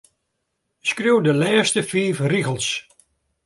Skriuw de lêste fiif rigels.